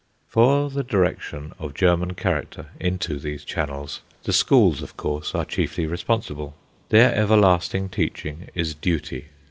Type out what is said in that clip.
For the direction of German character into these channels, the schools, of course, are chiefly responsible. Their everlasting teaching is duty.